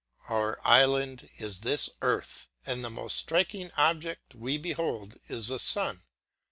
Our island is this earth; and the most striking object we behold is the sun.